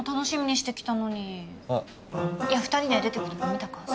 いや２人で出ていくとこ見たからさ。